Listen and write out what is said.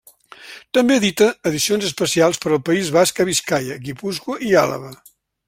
També edita edicions especials per al País Basc a Biscaia, Guipúscoa i Àlaba.